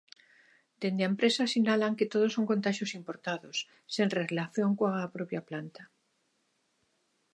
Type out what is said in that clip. Dende a empresa sinalan que todos son contaxios importados, sen relación coa propia planta.